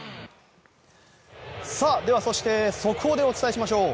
では、そして速報でお伝えしましょう。